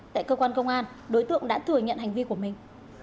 tại cơ quan công an đối tượng đã thừa nhận hành vi của mình